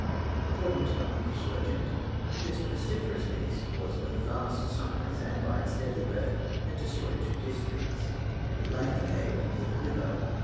According to the monkish legend, this pestiferous beast was of vast size, and by its deadly breath had destroyed two districts. It lay hid in a cave, near the river.